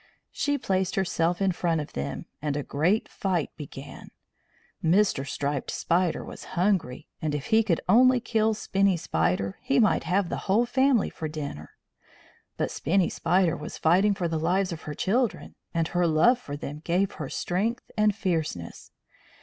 She placed herself in front of them, and a great fight began. Mr. Striped Spider was hungry, and if he could only kill Spinny Spider he might have the whole family for dinner. But Spinny Spider was fighting for the lives of her children, and her love for them gave her strength and fierceness.